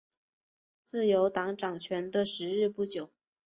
自由党掌权的时日不久。